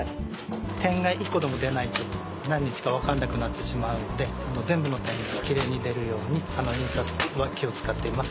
点が１個でも出ないと何日か分かんなくなってしまうので全部の点がキレイに出るように印刷は気を使っています。